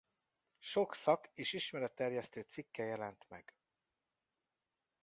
Sok szak- és ismeretterjesztő cikke jelent meg.